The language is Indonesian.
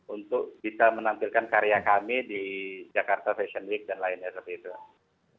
untuk bisa menampilkan karya kami di jakarta fashion week dan lainnya seperti itu